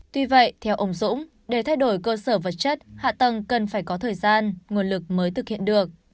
tuy vậy theo ông dũng để thay đổi cơ sở vật chất hạ tầng cần phải có thời gian nguồn lực mới thực hiện được